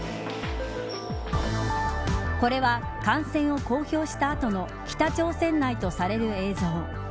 これは、感染を公表した後の北朝鮮内とされる映像。